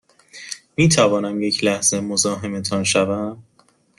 می توانم یک لحظه مزاحمتان شوم؟